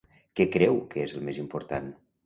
Què creu que és el més important?